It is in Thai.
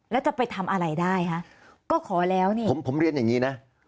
แล้วจะไปทำอะไรได้คะก็ขอแล้วนี่ผมผมเรียนอย่างนี้นะ